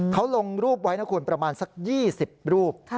เขาลงรูปไว้นะคุณประมาณสัก๒๐รูป